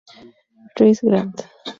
Rae Grant